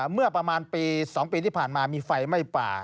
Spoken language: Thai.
เมื่อประมาณปี๒ปีที่ผ่านมามีไฟไหม้ป่า